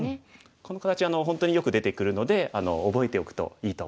この形本当によく出てくるので覚えておくといいと思います。